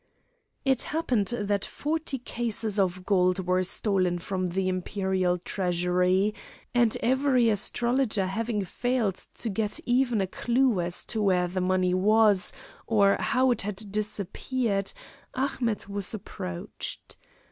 It happened that forty cases of gold were stolen from the Imperial Treasury, and every astrologer having failed to get even a clue as to where the money was or how it had disappeared, Ahmet was approached.